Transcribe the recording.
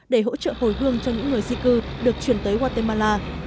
để hỗ trợ hồi hương cho những người di cư được chuyển tới guatemala